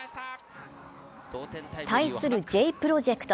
対するジェイプロジェクト。